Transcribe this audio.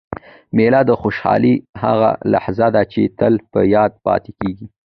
مېله د خوشحالۍ هغه لحظه ده، چي تل په یاد پاته کېږي.